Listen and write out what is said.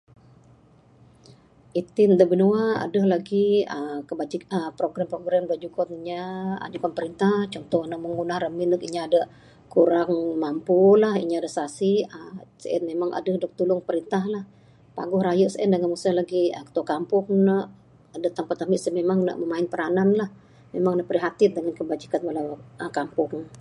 Itin da binua aaa adeh lagi kebajikan program-program da jugon inya jugon printah contoh ne amu ra ngundah ramin neg inya da kurang mampu lah inya da siasi sien mah adeh dog tulung printah lah. Paguh raye meng sien lagih ketua Kampung ne adeh tampat ami sien memang ne main peranan lah memang ne perihatin dangan kebajikan aaa dangan Kampung.